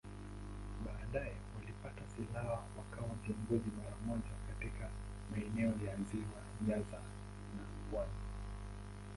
Baadaye walipata silaha wakawa viongozi mara moja katika maeneo ya Ziwa Nyasa na pwani.